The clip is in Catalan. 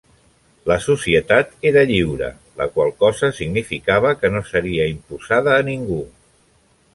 La societat era lliure, la qual cosa significava que no seria imposada a ningú.